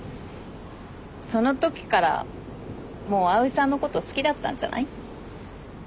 そのときからもう蒼井さんのこと好きだったんじゃない？